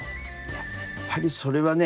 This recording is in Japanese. やっぱりそれはね